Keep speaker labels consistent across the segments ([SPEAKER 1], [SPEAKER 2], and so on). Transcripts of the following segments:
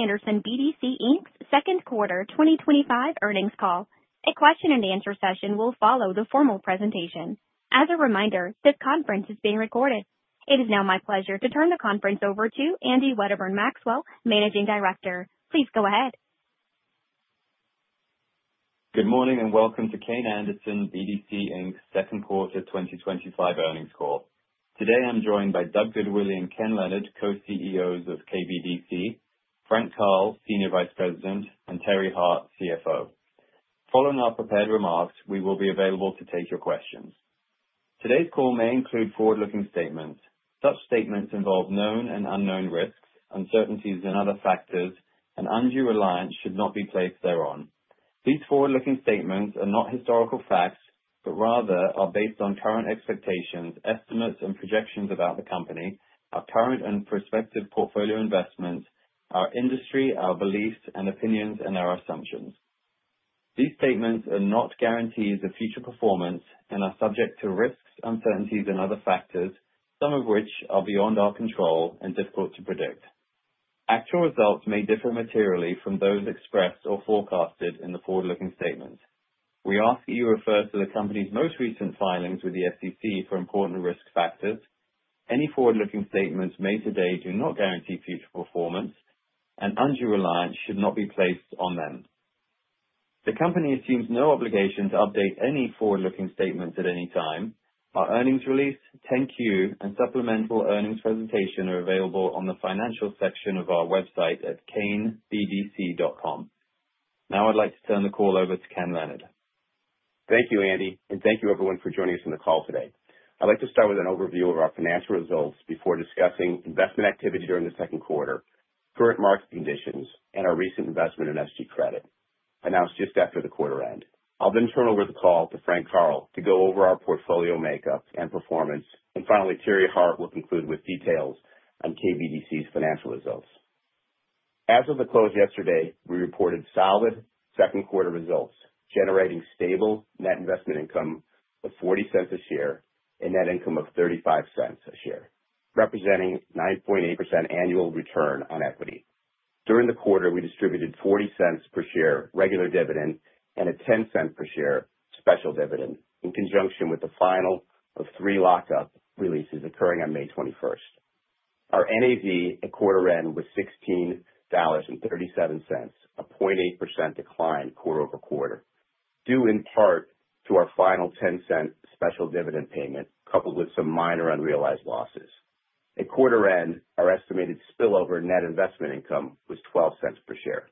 [SPEAKER 1] To Kayne Anderson BDC Inc's second quarter 2025 earnings call. A question and answer session will follow the formal presentation. As a reminder, this conference is being recorded. It is now my pleasure to turn the conference over to Andy Wedderburn-Maxwell, Managing Director. Please go ahead.
[SPEAKER 2] Good morning and welcome to Kayne Anderson BDC, Inc's second quarter 2025 earnings call. Today I'm joined by Doug Goodwillie and Ken Leonard, Co-CEOs of KBDC; Frank P. Karl, Senior Vice President; and Terry A. Hart, CFO. Following our prepared remarks, we will be available to take your questions. Today's call may include forward-looking statements. Such statements involve known and unknown risks, uncertainties and other factors, and undue reliance should not be placed thereon. These forward-looking statements are not historical facts, but rather are based on current expectations, estimates, and projections about the company, our current and prospective portfolio investments, our industry, our beliefs and opinions, and our assumptions. These statements are not guarantees of future performance and are subject to risks, uncertainties and other factors, some of which are beyond our control and difficult to predict. Actual results may differ materially from those expressed or forecasted in the forward-looking statements. We ask that you refer to the company's most recent filings with the SEC for important risk factors. Any forward-looking statements made today do not guarantee future performance and undue reliance should not be placed on them. The company assumes no obligation to update any forward-looking statements at any time. Our earnings release, 10-Q, and supplemental earnings presentation are available on the financial section of our website at kaynebdc.com. I'd like to turn the call over to Ken Leonard.
[SPEAKER 3] Thank you, Andy. Thank you everyone for joining us on the call today. I'd like to start with an overview of our financial results before discussing investment activity during the second quarter, current market conditions, and our recent investment in SG Credit announced just after the quarter end. I'll turn over the call to Frank Karl to go over our portfolio makeup and performance. Finally, Terry Hart will conclude with details on KBDC's financial results. As of the close yesterday, we reported solid second quarter results, generating stable net investment income of $0.40 a share, and net income of $0.35 a share, representing 9.8% annual return on equity. During the quarter, we distributed $0.40 per share regular dividend, and a $0.10 per share special dividend in conjunction with the final of three lockup releases occurring on May 21st. Our NAV at quarter end was $16.37, a 0.8% decline quarter-over-quarter, due in part to our final $0.10 special dividend payment, coupled with some minor unrealized losses. At quarter end, our estimated spillover net investment income was $0.12 per share.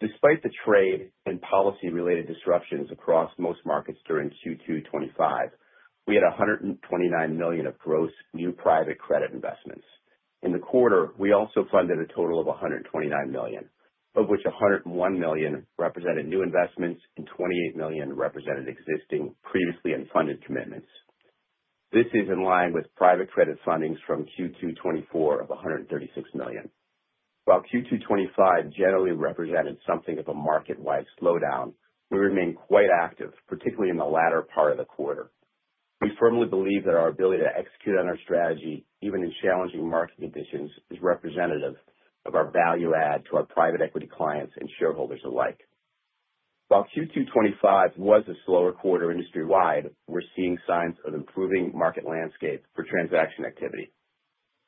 [SPEAKER 3] Despite the trade and policy-related disruptions across most markets during Q2 2025, we had $129 million of gross new private credit investments. In the quarter, we also funded a total of $129 million, of which $101 million represented new investments and $28 million represented existing previously unfunded commitments. This is in line with private credit fundings from Q2 2024 of $136 million. While Q2 2025 generally represented something of a market-wide slowdown, we remain quite active, particularly in the latter part of the quarter. We firmly believe that our ability to execute on our strategy, even in challenging market conditions, is representative of our value add to our private equity clients and shareholders alike. While Q2 2025 was a slower quarter industry-wide, we're seeing signs of improving market landscape for transaction activity.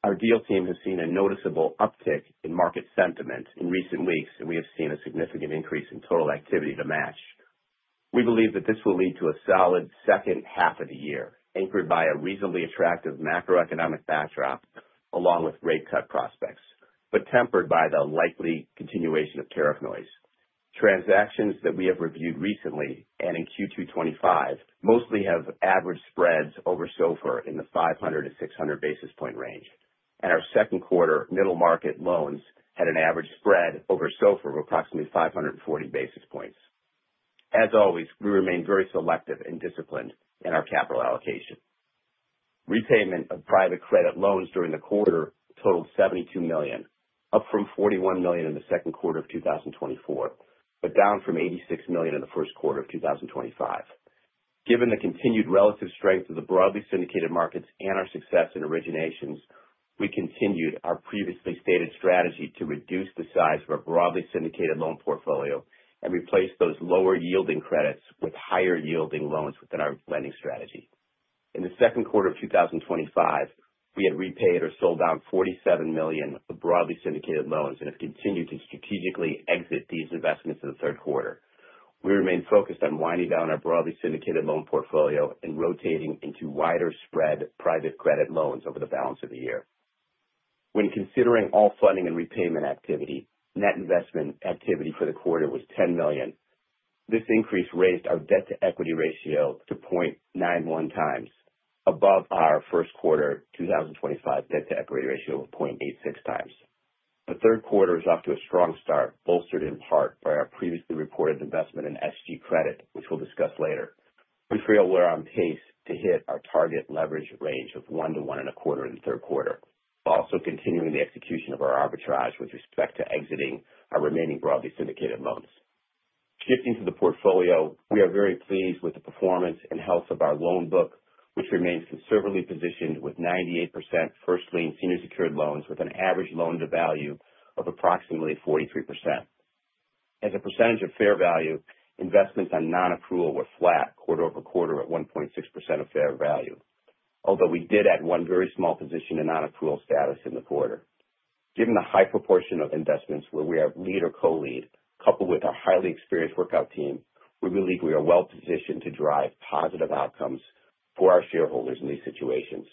[SPEAKER 3] Our deal team has seen a noticeable uptick in market sentiment in recent weeks, and we have seen a significant increase in total activity to match. We believe that this will lead to a solid second half of the year, anchored by a reasonably attractive macroeconomic backdrop, along with rate cut prospects, but tempered by the likely continuation of tariff noise. Transactions that we have reviewed recently and in Q2 2025 mostly have average spreads over SOFR in the 500-600 basis points range. Our second quarter middle market loans had an average spread over SOFR of approximately 540 basis points. As always, we remain very selective and disciplined in our capital allocation. Repayment of private credit loans during the quarter totaled $72 million, up from $41 million in the second quarter of 2024, but down from $86 million in the first quarter of 2025. Given the continued relative strength of the broadly syndicated markets and our success in originations, we continued our previously stated strategy to reduce the size of our broadly syndicated loan portfolio, and replace those lower yielding credits with higher yielding loans within our lending strategy. In the second quarter of 2025, we had repaid or sold down $47 million of broadly syndicated loans, and have continued to strategically exit these investments in the third quarter. We remain focused on winding down our broadly syndicated loan portfolio and rotating into wider spread private credit loans over the balance of the year. When considering all funding and repayment activity, net investment activity for the quarter was $10 million. This increase raised our debt-to-equity ratio to 0.91x above our first quarter 2025 debt-to-equity ratio of 0.86x. The third quarter is off to a strong start, bolstered in part by our previously reported investment in SG Credit, which we'll discuss later. We feel we're on pace to hit our target leverage range of 1-1.25 in the third quarter, while also continuing the execution of our arbitrage with respect to exiting our remaining broadly syndicated loans. Shifting to the portfolio. We are very pleased with the performance and health of our loan book, which remains conservatively positioned with 98% first lien senior secured loans with an average loan to value of approximately 43%. As a percentage of fair value, investments on non-accrual were flat quarter-over-quarter at 1.6% of fair value. Although we did add one very small position in non-accrual status in the quarter. Given the high proportion of investments where we are lead or co-lead, coupled with our highly experienced workout team, we believe we are well positioned to drive positive outcomes for our shareholders in these situations.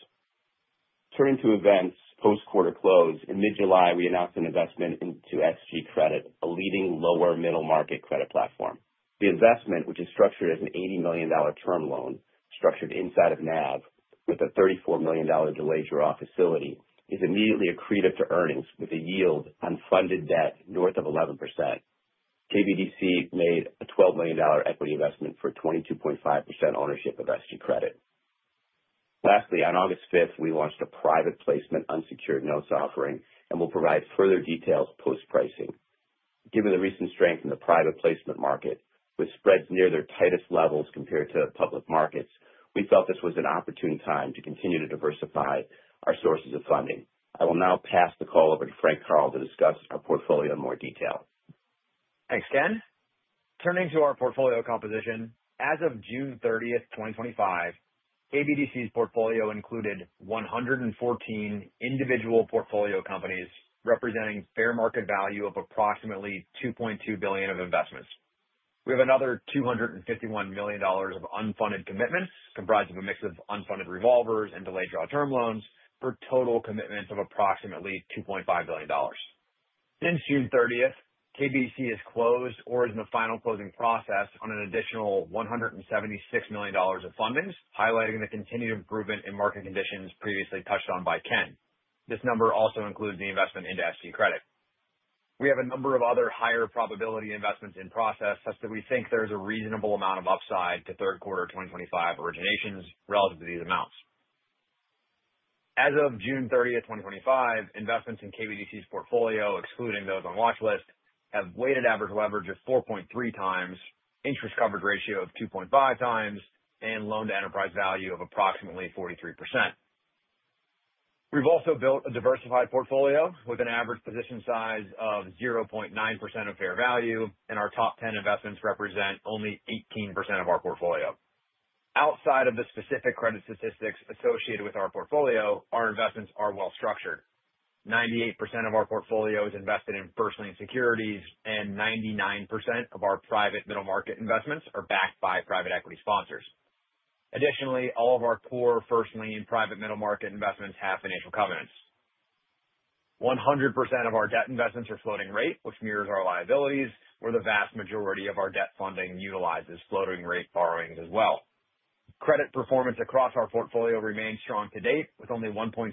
[SPEAKER 3] Turning to events post quarter close. In mid-July, we announced an investment into SG Credit, a leading lower middle market credit platform. The investment, which is structured as an $80 million term loan structured inside of NAV with a $34 million delay draw facility, is immediately accretive to earnings with a yield on funded debt north of 11%. KBDC made a $12 million equity investment for 22.5% ownership of SG Credit. Lastly, on August 5, we launched a private placement unsecured notes offering, and will provide further details post-pricing. Given the recent strength in the private placement market, with spreads near their tightest levels compared to public markets, we felt this was an opportune time to continue to diversify our sources of funding. I will now pass the call over to Frank P. Karl to discuss our portfolio in more detail.
[SPEAKER 4] Thanks, Ken. Turning to our portfolio composition. As of June 30th, 2025, KBDC's portfolio included 114 individual portfolio companies, representing fair market value of approximately $2.2 billion of investments. We have another $251 million of unfunded commitments, comprised of a mix of unfunded revolvers and delayed draw term loans for total commitments of approximately $2.5 billion. Since June 30th, KBDC has closed or is in the final closing process on an additional $176 million of fundings, highlighting the continued improvement in market conditions previously touched on by Ken. This number also includes the investment into SG Credit. We have a number of other higher probability investments in process, such that we think there's a reasonable amount of upside to third quarter 2025 originations relative to these amounts. As of June 30, 2025, investments in KBDC's portfolio, excluding those on watch list, have weighted average leverage of 4.3x, interest coverage ratio of 2.5x, and loan to enterprise value of approximately 43%. We've also built a diversified portfolio with an average position size of 0.9% of fair value, and our top 10 investments represent only 18% of our portfolio. Outside of the specific credit statistics associated with our portfolio, our investments are well structured. 98% of our portfolio is invested in first lien securities, and 99% of our private middle market investments are backed by private equity sponsors. Additionally, all of our core first lien private middle market investments have financial covenants. 100% of our debt investments are floating rate, which mirrors our liabilities, where the vast majority of our debt funding utilizes floating rate borrowings as well. Credit performance across our portfolio remains strong to date, with only 1.6%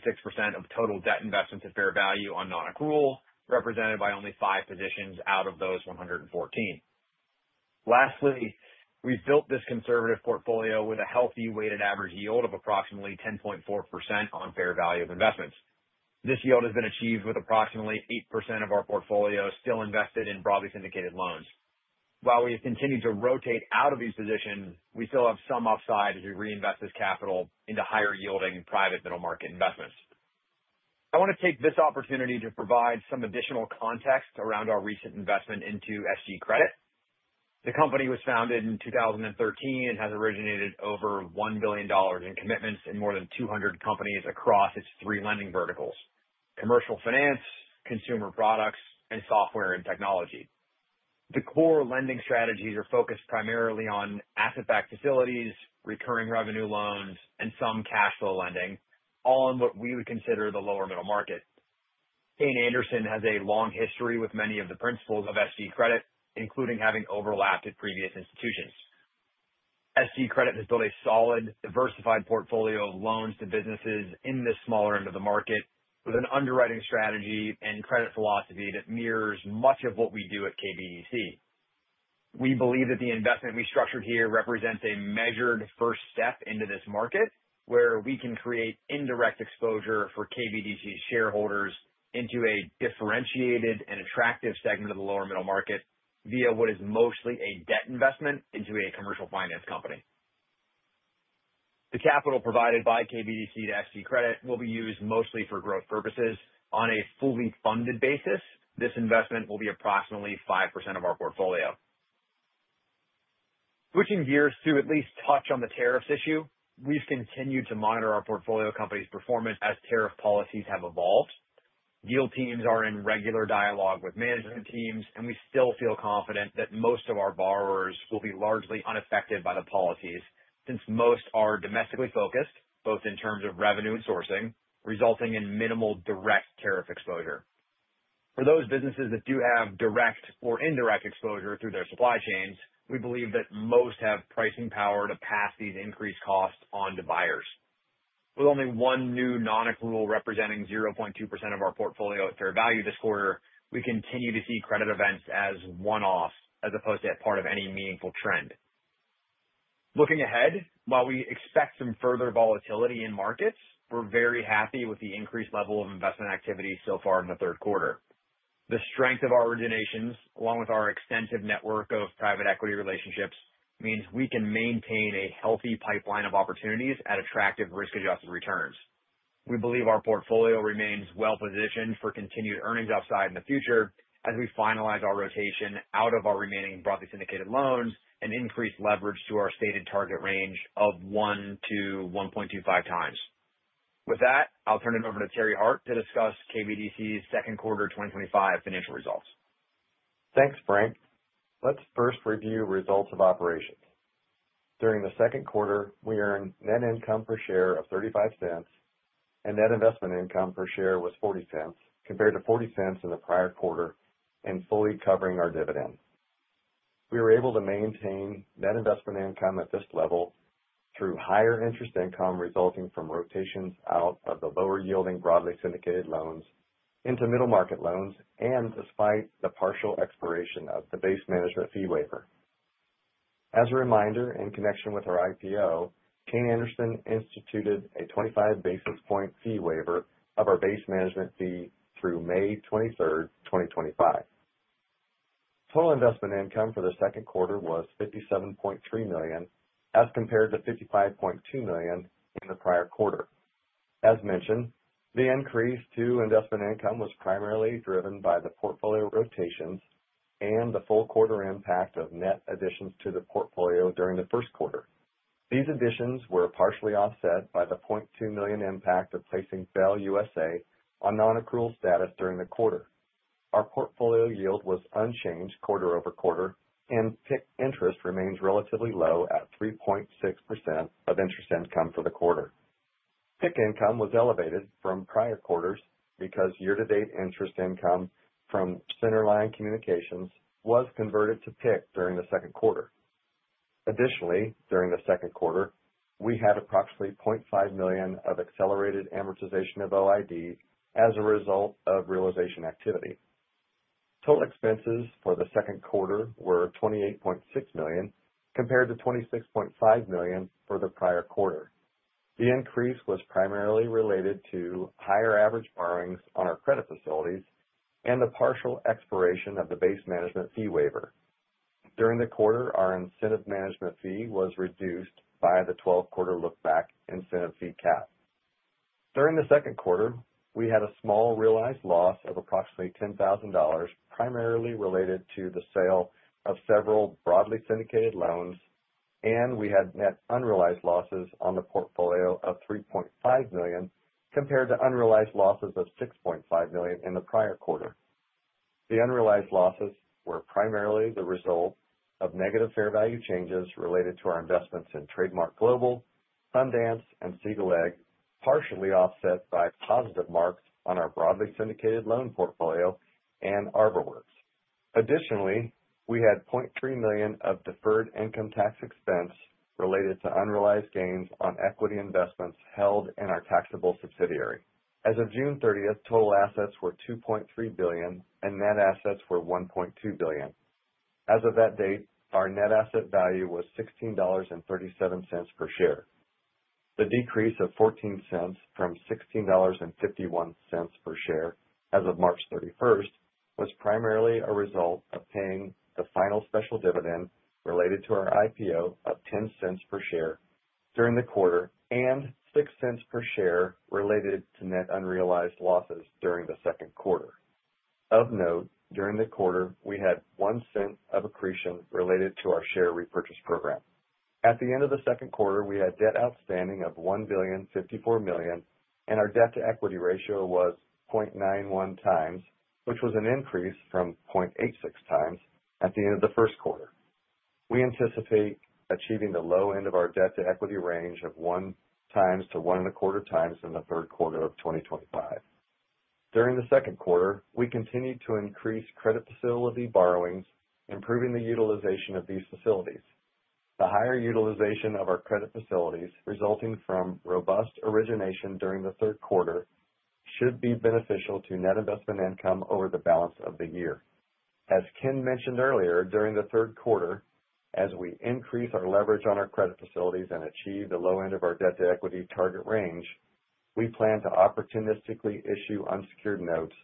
[SPEAKER 4] of total debt investments at fair value on non-accrual, represented by only five positions out of those 114. Lastly, we've built this conservative portfolio with a healthy weighted average yield of approximately 10.4% on fair value of investments. This yield has been achieved with approximately 8% of our portfolio still invested in broadly syndicated loans. While we have continued to rotate out of these positions, we still have some upside as we reinvest this capital into higher yielding private middle market investments. I want to take this opportunity to provide some additional context around our recent investment into SG Credit. The company was founded in 2013, and has originated over $1 billion in commitments in more than 200 companies across its three lending verticals: commercial finance, consumer products, and software and technology. The core lending strategies are focused primarily on asset-backed facilities, recurring revenue loans, and some cash flow lending, all in what we would consider the lower middle market. Kayne Anderson has a long history with many of the principals of SG Credit, including having overlapped at previous institutions. SG Credit has built a solid, diversified portfolio of loans to businesses in the smaller end of the market, with an underwriting strategy and credit philosophy that mirrors much of what we do at KBDC. We believe that the investment we structured here represents a measured first step into this market, where we can create indirect exposure for KBDC shareholders into a differentiated and attractive segment of the lower middle market via what is mostly a debt investment into a commercial finance company. The capital provided by KBDC to SG Credit will be used mostly for growth purposes. On a fully funded basis, this investment will be approximately 5% of our portfolio. Switching gears to at least touch on the tariffs issue. We've continued to monitor our portfolio company's performance as tariff policies have evolved. We still feel confident that most of our borrowers will be largely unaffected by the policies, since most are domestically focused, both in terms of revenue and sourcing, resulting in minimal direct tariff exposure. For those businesses that do have direct or indirect exposure through their supply chains, we believe that most have pricing power to pass these increased costs on to buyers. With only one new non-accrual representing 0.2% of our portfolio at fair value this quarter, we continue to see credit events as one-offs as opposed to part of any meaningful trend. Looking ahead, while we expect some further volatility in markets, we're very happy with the increased level of investment activity so far in the third quarter. The strength of our originations, along with our extensive network of private equity relationships, means we can maintain a healthy pipeline of opportunities at attractive risk-adjusted returns. We believe our portfolio remains well-positioned for continued earnings upside in the future as we finalize our rotation out of our remaining broadly syndicated loans and increase leverage to our stated target range of 1-1.25x. With that, I'll turn it over to Terry Hart to discuss KBDC's second quarter 2025 financial results.
[SPEAKER 5] Thanks, Frank. Let's first review results of operations. During the second quarter, we earned net income per share of $0.35 and net investment income per share was $0.40 compared to $0.40 in the prior quarter and fully covering our dividend. We were able to maintain net investment income at this level through higher interest income resulting from rotations out of the lower yielding broadly syndicated loans into middle market loans. Despite the partial expiration of the base management fee waiver. As a reminder, in connection with our IPO, Kayne Anderson instituted a 25 basis point fee waiver of our base management fee through May 23, 2025. Total investment income for the second quarter was $57.3 million, as compared to $55.2 million in the prior quarter. As mentioned, the increase to investment income was primarily driven by the portfolio rotations, and the full quarter impact of net additions to the portfolio during the first quarter. These additions were partially offset by the $0.2 million impact of placing Bell USA on non-accrual status during the quarter. Our portfolio yield was unchanged quarter-over-quarter, and PIK interest remains relatively low at 3.6% of interest income for the quarter. PIK income was elevated from prior quarters because year-to-date interest income from Centerline Communications was converted to PIK during the second quarter. Additionally, during the second quarter, we had approximately $0.5 million of accelerated amortization of OIDs as a result of realization activity. Total expenses for the second quarter were $28.6 million, compared to $26.5 million for the prior quarter. The increase was primarily related to higher average borrowings on our credit facilities and the partial expiration of the base management fee waiver. During the quarter, our incentive management fee was reduced by the 12-quarter look-back incentive fee cap. During the second quarter, we had a small realized loss of approximately $10,000, primarily related to the sale of several broadly syndicated loans, and we had net unrealized losses on the portfolio of $3.5 million, compared to unrealized losses of $6.5 million in the prior quarter. The unrealized losses were primarily the result of negative fair value changes related to our investments in Trademark Global, Sundance, and Siegel Egg, partially offset by positive marks on our broadly syndicated loan portfolio and ArborWorks. Additionally, we had $0.3 million of deferred income tax expense related to unrealized gains on equity investments held in our taxable subsidiary. As of June 30th, total assets were $2.3 billion and net assets were $1.2 billion. As of that date, our net asset value was $16.37 per share. The decrease of $0.14 from $16.51 per share as of March 31st, was primarily a result of paying the final special dividend related to our IPO of $0.10 per share during the quarter, and $0.06 per share related to net unrealized losses during the second quarter. Of note, during the quarter, we had $0.01 of accretion related to our share repurchase program. At the end of the second quarter, we had debt outstanding of $1.054 billion, and our debt-to-equity ratio was 0.91x, which was an increase from 0.86x at the end of the first quarter. We anticipate achieving the low end of our debt-to-equity range of 1x-1.25x in the third quarter of 2025. During the second quarter, we continued to increase credit facility borrowings, improving the utilization of these facilities. The higher utilization of our credit facilities resulting from robust origination during the third quarter should be beneficial to net investment income over the balance of the year. As Ken mentioned earlier, during the third quarter, as we increase our leverage on our credit facilities and achieve the low end of our debt-to-equity target range, we plan to opportunistically issue unsecured notes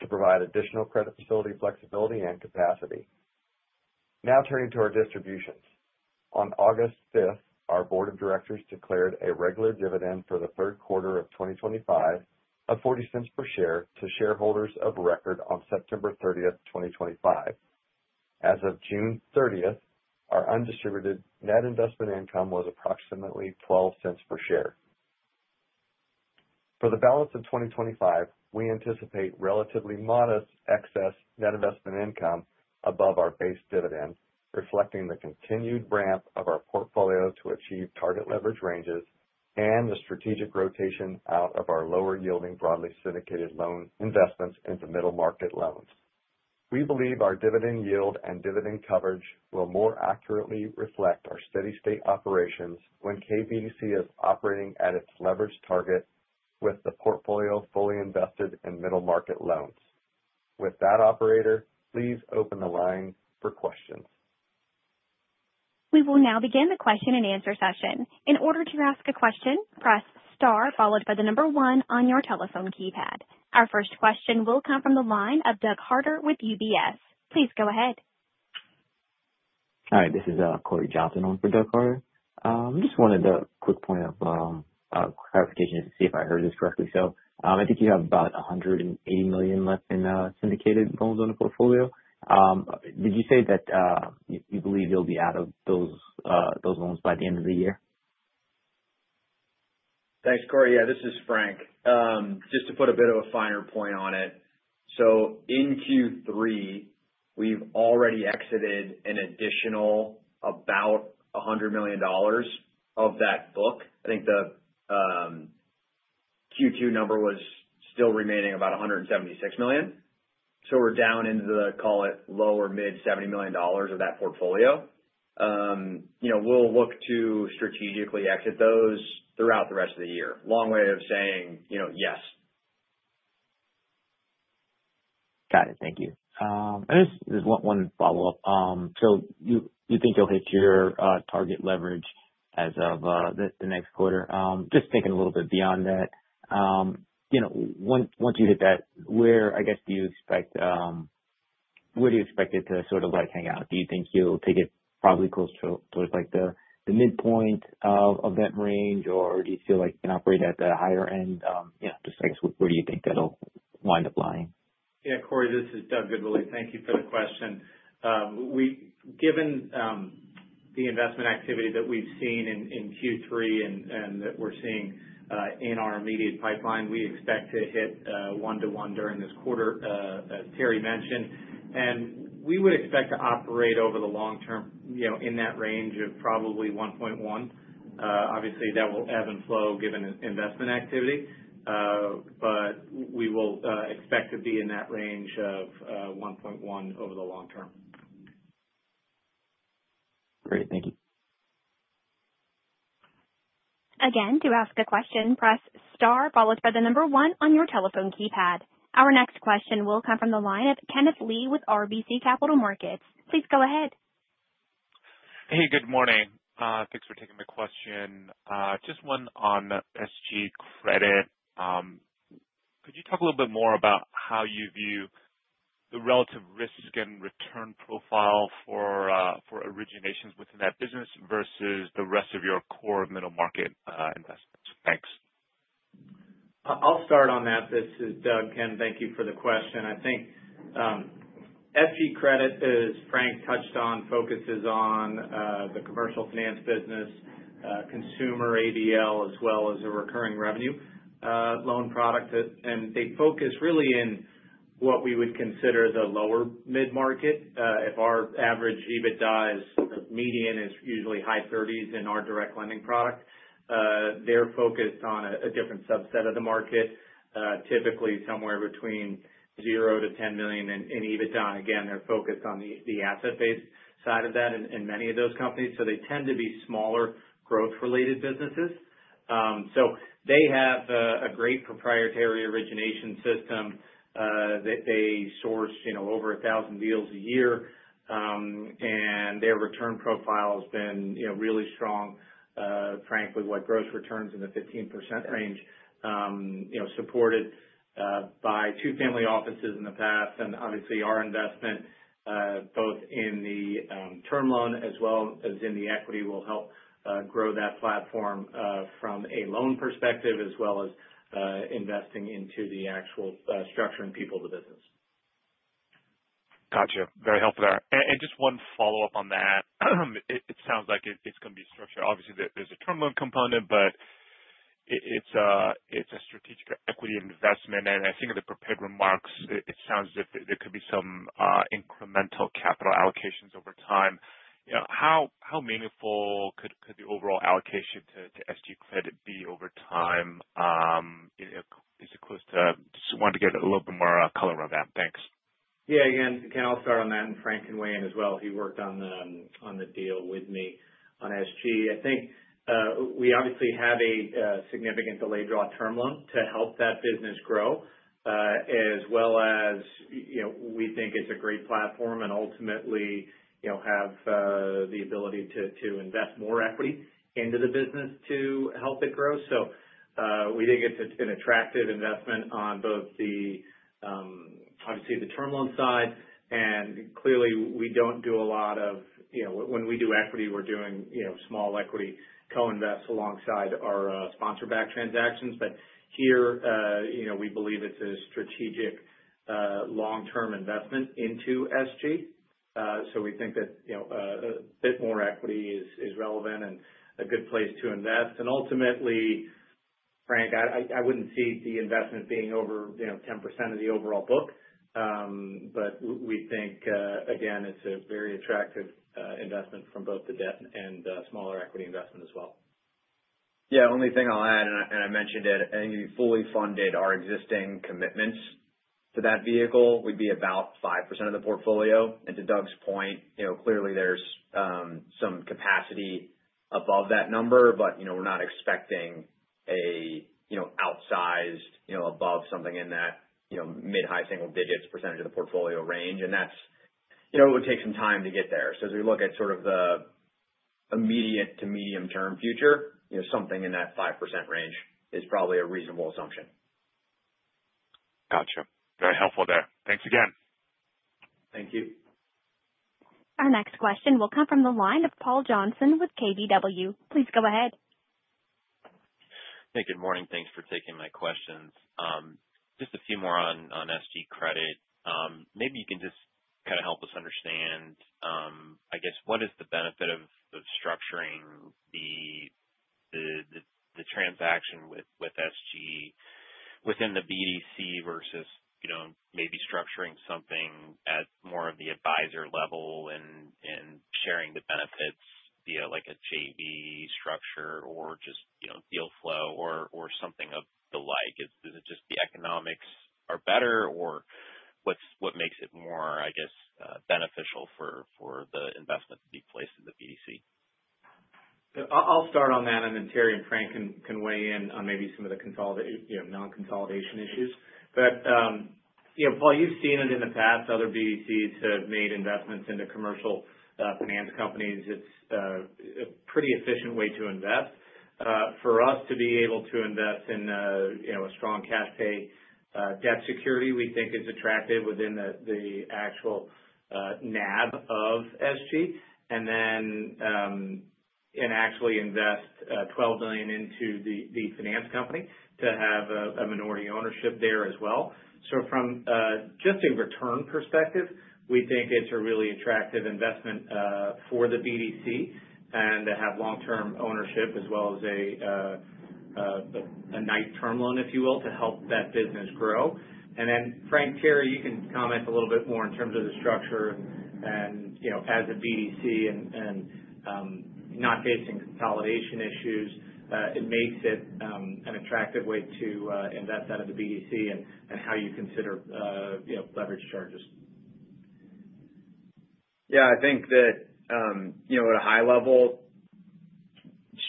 [SPEAKER 5] to provide additional credit facility flexibility and capacity. Turning to our distributions. On August 5th, our board of directors declared a regular dividend for the third quarter of 2025 of $0.40 per share to shareholders of record on September 30th, 2025. As of June thirtieth, our undistributed net investment income was approximately $0.12 per share. For the balance of 2025, we anticipate relatively modest excess net investment income above our base dividend, reflecting the continued ramp of our portfolio to achieve target leverage ranges, and the strategic rotation out of our lower yielding broadly syndicated loan investments into middle market loans. We believe our dividend yield and dividend coverage will more accurately reflect our steady state operations when KBDC is operating at its leverage target with the portfolio fully invested in middle market loans. With that operator, please open the line for questions.
[SPEAKER 1] We will now begin the question and answer session. In order to ask a question, press star followed by one on your telephone keypad. Our first question will come from the line of Doug Harter with UBS. Please go ahead.
[SPEAKER 6] Hi, this is Cory Johnson on for Doug Harter. Just wanted a quick point of clarification to see if I heard this correctly. I think you have about $180 million left in syndicated loans on the portfolio. Did you say that y-you believe you'll be out of those loans by the end of the year?
[SPEAKER 4] Thanks, Cory. Yeah, this is Frank. Just to put a bit of a finer point on it. In Q3, we've already exited an additional about $100 million of that book. I think the Q2 number was still remaining about $176 million. We're down into the, call it, lower mid-$70 million of that portfolio. You know, we'll look to strategically exit those throughout the rest of the year. Long way of saying, you know, yes.
[SPEAKER 6] Got it. Thank you. Just one follow-up. You think you'll hit your target leverage as of the next quarter. Just thinking a little bit beyond that, you know, once you hit that, where do you expect it to sort of like hang out? Do you think you'll take it probably close to-towards like the midpoint of that range, or do you feel like you can operate at the higher end? You know, just like where do you think that'll wind up lying?
[SPEAKER 7] Yeah, Cory, this is Doug Goodwillie. Thank you for the question. Given the investment activity that we've seen in Q3 and that we're seeing in our immediate pipeline, we expect to hit one to one during this quarter as Terry mentioned. We would expect to operate over the long term, you know, in that range of probably 1.1. Obviously that will ebb and flow given investment activity. We will expect to be in that range of 1.1 over the long term.
[SPEAKER 6] Great. Thank you.
[SPEAKER 1] Again, to ask a question, press star followed by the number one on your telephone keypad. Our next question will come from the line of Kenneth Lee with RBC Capital Markets. Please go ahead.
[SPEAKER 8] Hey, good morning. Thanks for taking my question. Just one on SG Credit. Could you talk a little bit more about how you view the relative risk and return profile for originations within that business versus the rest of your core middle market, investments? Thanks.
[SPEAKER 7] I'll start on that. This is Doug. Ken, thank you for the question. I think SG Credit, as Frank touched on, focuses on the commercial finance business, consumer ADL, as well as a recurring revenue loan product. They focus really in what we would consider the lower mid-market. If our average EBITDA is median is usually high 30s in our direct lending product. They're focused on a different subset of the market, typically somewhere between 0-$10 million in EBITDA. Again, they're focused on the asset base side of that in many of those companies. So they tend to be smaller growth related businesses. So they have a great proprietary origination system that they source, you know, over 1,000 deals a year. Their return profile has been, you know, really strong. Frankly, with what gross returns in the 15% range, you know, supported by two family offices in the past. Obviously our investment, both in the term loan as well as in the equity will help grow that platform from a loan perspective as well as investing into the actual structure and people of the business.
[SPEAKER 8] Gotcha. Very helpful there. And just one follow-up on that. It sounds like it's gonna be structured. Obviously, there's a term loan component, but it's a strategic equity investment. I think in the prepared remarks, it sounds as if there could be some incremental capital allocations over time. You know, how meaningful could the overall allocation to SG Credit be over time? Is it close to... Just wanted to get a little bit more color on that. Thanks.
[SPEAKER 7] Yeah. Again, Ken, I'll start on that and Frank can weigh in as well. He worked on the, on the deal with me on SG. I think, we obviously have a, significant delayed draw term loan to help that business grow, as well as, you know, we think it's a great platform and ultimately, you know, have, the ability to invest more equity into the business to help it grow. We think it's an attractive investment on both the, obviously the term loan side, and clearly we don't do a lot of... You know, when we do equity, we're doing, you know, small equity co-invest alongside our, sponsor-backed transactions. Here, you know, we believe it's a strategic, long-term investment into SG. We think that, you know, a bit more equity is relevant and a good place to invest. Ultimately, Frank, I wouldn't see the investment being over, you know, 10% of the overall book. We think, again, it's a very attractive investment from both the debt and the smaller equity investment as well.
[SPEAKER 4] Yeah. Only thing I'll add, I mentioned it, I think we fully funded our existing commitments to that vehicle would be about 5% of the portfolio. To Doug's point, you know, clearly there's some capacity above that number, but, you know, we're not expecting. A, you know, outsized, you know, above something in that, you know, mid-high single digits percent of the portfolio range. That's, you know, it would take some time to get there. As we look at sort of the immediate to medium-term future, you know, something in that 5% range is probably a reasonable assumption.
[SPEAKER 8] Gotcha. Very helpful there. Thanks again.
[SPEAKER 7] Thank you.
[SPEAKER 1] Our next question will come from the line of Paul Johnson with KBW. Please go ahead.
[SPEAKER 9] Hey, good morning. Thanks for taking my questions. Just a few more on SG Credit. Maybe you can just kinda help us understand, I guess, what is the benefit of structuring the transaction with SG Credit within the BDC versus, you know, maybe structuring something at more of the advisor level and sharing the benefits via like a JV structure or just, you know, deal flow or something of the like? Is it just the economics are better or what's, what makes it more, I guess, beneficial for the investment to be placed in the BDC?
[SPEAKER 7] I'll start on that and then Terry Hart and Frank P. Karl can weigh in on maybe some of the consolidation, you know, non-consolidation issues. Paul Johnson, you've seen it in the past, other BDCs have made investments into commercial finance companies. It's a pretty efficient way to invest. For us to be able to invest in, you know, a strong cash pay debt security we think is attractive within the actual NAV of SG. And then, and actually invest $12 million into the finance company to have a minority ownership there as well. From just a return perspective, we think it's a really attractive investment for the BDC, and to have long-term ownership as well as a nice term loan, if you will, to help that business grow. Frank, Terry, you can comment a little bit more in terms of the structure and, you know, as a BDC and not facing consolidation issues, it makes it an attractive way to invest out of the BDC and how you consider, you know, leverage charges.
[SPEAKER 4] I think that, you know, at a high level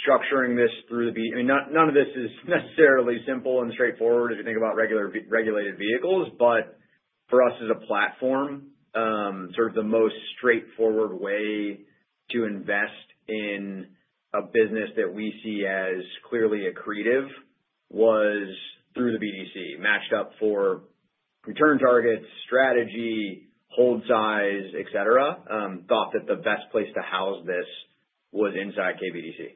[SPEAKER 4] structuring this through none of this is necessarily simple and straightforward if you think about regular regulated vehicles, but for us as a platform, sort of the most straightforward way to invest in a business that we see as clearly accretive was through the BDC matched up for return targets, strategy, hold size, et cetera. Thought that the best place to house this was inside KBDC.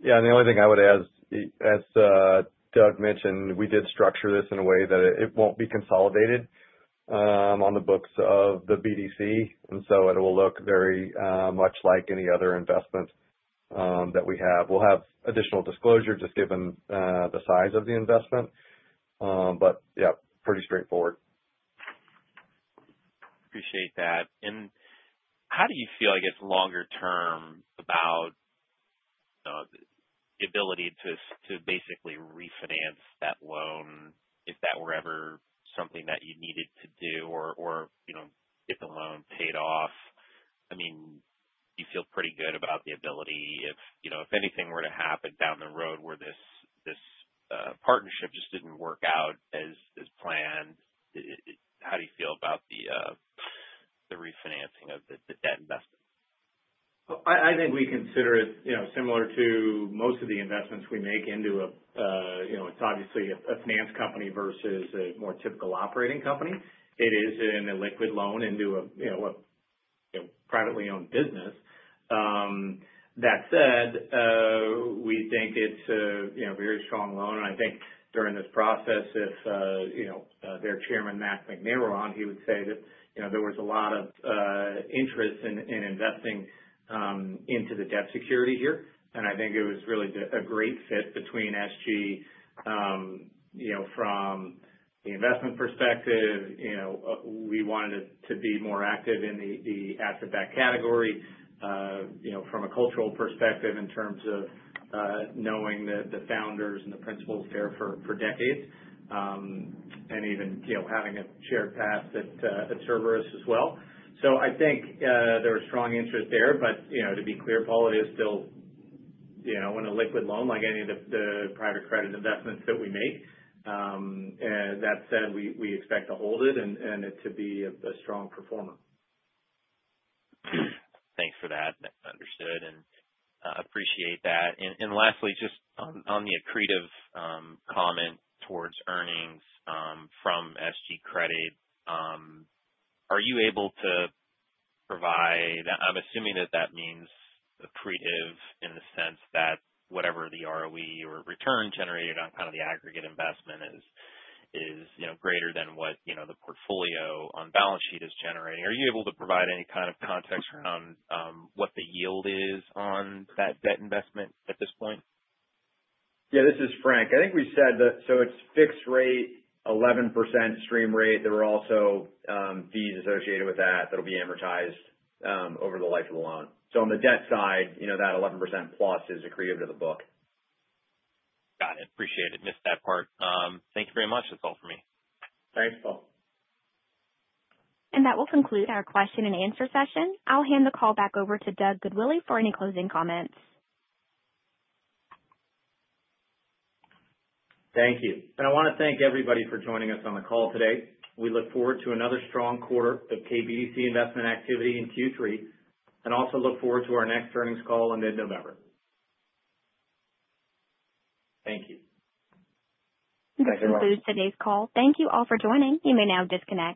[SPEAKER 5] Yeah. The only thing I would add, as Doug mentioned, we did structure this in a way that it won't be consolidated on the books of the BDC. It will look very much like any other investment that we have. We'll have additional disclosure just given the size of the investment. Yeah, pretty straightforward.
[SPEAKER 9] Appreciate that. How do you feel, I guess, longer term about the ability to basically refinance that loan if that were ever something that you needed to do or, you know, if the loan paid off? I mean, do you feel pretty good about the ability if, you know, if anything were to happen down the road where this partnership just didn't work out as planned, how do you feel about the refinancing of the debt investment?
[SPEAKER 7] I think we consider it, you know, similar to most of the investments we make into, you know, it's obviously a finance company versus a more typical operating company. It is an illiquid loan into, you know, privately owned business. That said, we think it's a, you know, very strong loan. I think during this process if, you know, their Chairman, Matt McNamara, were on, he would say that, you know, there was a lot of interest in investing into the debt security here. I think it was really a great fit between SG. You know, from the investment perspective, you know, we wanted it to be more active in the asset-backed category. You know, from a cultural perspective in terms of knowing the founders and the principals there for decades. Even, you know, having a shared past at Cerberus as well. I think there was strong interest there. you know, to be clear, Paul, it is still, you know, in an illiquid loan like any of the private credit investments that we make. That said, we expect to hold it and it to be a strong performer.
[SPEAKER 9] Thanks for that. Understood and appreciate that. Lastly, just on the accretive comment towards earnings from SG Credit, are you able to provide... I'm assuming that that means accretive in the sense that whatever the ROE or return generated on kind of the aggregate investment is, you know, greater than what, you know, the portfolio on balance sheet is generating. Are you able to provide any kind of context around what the yield is on that debt investment at this point?
[SPEAKER 4] This is Frank. It's fixed rate, 11% stream rate. There are also fees associated with that that'll be amortized over the life of the loan. On the debt side, you know, that 11% plus is accretive to the book.
[SPEAKER 9] Got it. Appreciate it. Missed that part. Thank you very much. That's all for me.
[SPEAKER 7] Thanks, Paul.
[SPEAKER 1] That will conclude our question and answer session. I'll hand the call back over to Doug Goodwillie for any closing comments.
[SPEAKER 7] Thank you. I wanna thank everybody for joining us on the call today. We look forward to another strong quarter of KBDC investment activity in Q3 and also look forward to our next earnings call in mid-November. Thank you.
[SPEAKER 1] This concludes today's call. Thank you all for joining. You may now disconnect.